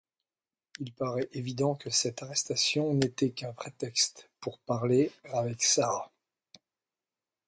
Il paraît évident que cette arrestation n'était qu'un prétexte pour parler avec Sarah.